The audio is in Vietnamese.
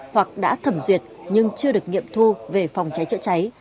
hoặc đã thẩm duyệt nhưng chưa được nghiệm thu về phòng cháy chữa cháy